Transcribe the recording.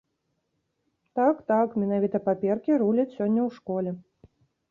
Так, так, менавіта паперкі руляць сёння ў школе!